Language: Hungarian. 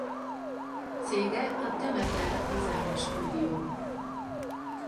Cége a Demeter Design Studio.